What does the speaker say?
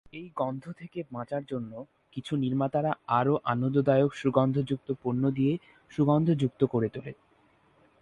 এই গন্ধ থেকে বাঁচার জন্য কিছু নির্মাতারা আরও আনন্দদায়ক সুগন্ধযুক্ত পণ্য দিয়ে সুগন্ধযুক্ত করে তোলে।